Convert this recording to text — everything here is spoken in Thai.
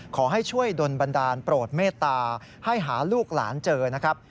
ขอให้ช่วยดนบันดาลโปรดเมตตาให้หาลูกหลานเจอนะครับ